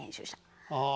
ああ。